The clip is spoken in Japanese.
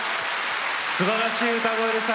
すばらしい歌声でした。